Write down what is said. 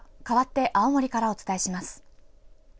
かわって青森からお伝えします。